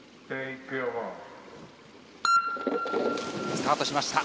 スタートしました。